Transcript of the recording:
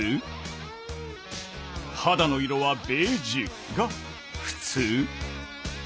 肌の色はベージュが「ふつう」？